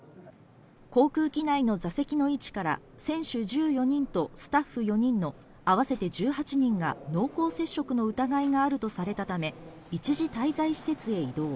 航空機内の座席の位置から、選手１４人とスタッフ４人の合わせて１８人が濃厚接触の疑いがあるとされたため一時、滞在施設へ移動。